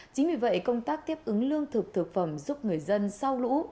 chính vì vậy công tác tiếp ứng lương thực thực phẩm giúp người dân sau lũ